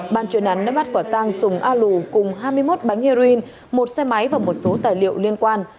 ban chuyên án đã bắt quả tang sùng a lù cùng hai mươi một bánh heroin một xe máy và một số tài liệu liên quan